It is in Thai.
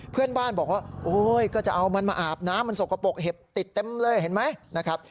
เพื่อนบ้านบอกว่าโอ้ยก็จะเอามันมาอาบน้ำมันสกปรกเห็บติดเต็มเลยเห็นไหมนะครับ